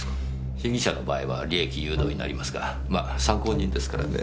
被疑者の場合は利益誘導になりますがま参考人ですからねぇ。